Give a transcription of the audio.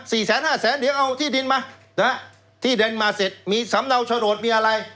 แสนห้าแสนเดี๋ยวเอาที่ดินมานะฮะที่ดินมาเสร็จมีสำเนาโฉนดมีอะไร